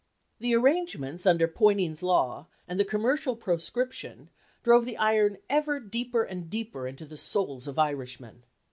The arrangements under Poynings's Law, and the commercial proscription, drove the iron ever deeper and deeper into the souls of Irishmen.